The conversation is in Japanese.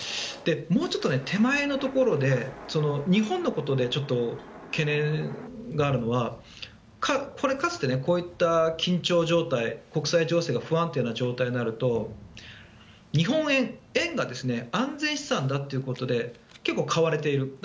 もうちょっと手前のところで日本のところでちょっと懸念があるのはかつて、こういった緊張状態国際情勢が不安定な状態になると日本円、円が安全資産だということで結構、買われている。